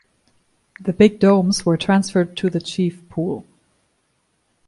The "Big Domes" were transferred to the "Chief" pool.